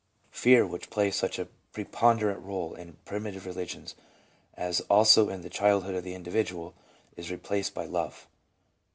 Fear, which plays such a preponderant role in primitive religions, as also in the childhood of the individual, is replaced by love.